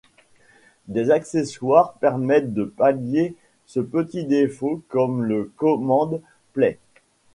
Des accessoires permettent de pallier ce petit défaut comme le Command Play.